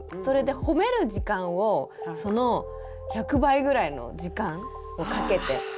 それでほめる時間をその１００倍ぐらいの時間をかけて。